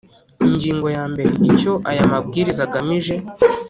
Ingingo ya mbere Icyo aya mabwiriza agamije